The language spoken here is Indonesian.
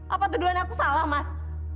apa tuduhan aku salah mas